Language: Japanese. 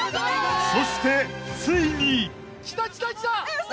［そしてついに］嘘！？